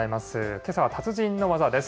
けさは達人の技です。